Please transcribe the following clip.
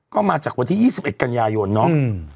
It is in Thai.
ก็มาจากวันที่๒๑กันยายนเนาะ